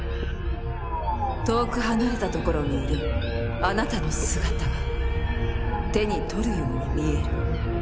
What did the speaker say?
遠く離れた所にいるあなたの姿が手に取るように見える。